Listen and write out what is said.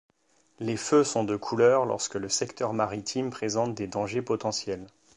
Les feux sont de couleur lorsque le secteur maritime présente des dangers potentiels.